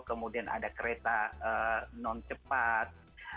kemudian ada kereta non cepat